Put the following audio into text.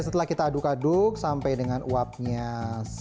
ya setelah kita aduk aduk sampai dengan uapnya itu berubah menjadi gelap